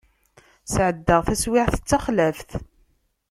Sεeddaɣ taswiεt d taxlaft.